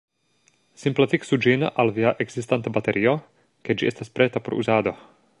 Simple fiksu ĝin al via ekzistanta baterio, kaj ĝi estas preta por uzado.